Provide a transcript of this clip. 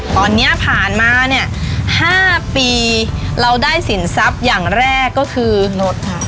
ตอนนี้ผ่านมาเนี่ย๕ปีเราได้สินทรัพย์อย่างแรกก็คือรถค่ะ